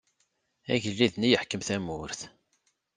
Agellid-nni yeḥkem tamurt.